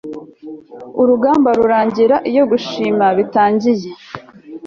urugamba rurangira iyo gushimira bitangiye